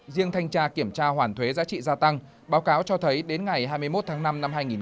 riêng thanh tra kiểm tra hoàn thuế giá trị gia tăng báo cáo cho thấy đến ngày hai mươi một tháng năm năm hai nghìn hai mươi